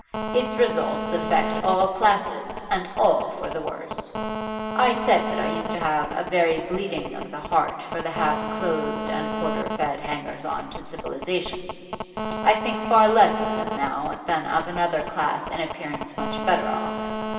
Its results affect all classes, and all for the worse. I said that I used to have a very bleeding of the heart for the half clothed and quarter fed hangers on to civilisation; I think far less of them now than of another class in appearance much better off.